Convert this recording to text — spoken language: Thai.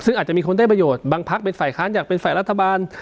ซึ่งอาจจะมีคนได้ประโยชน์บางพักเป็นฝ่ายค้านอยากเป็นฝ่ายรัฐบาล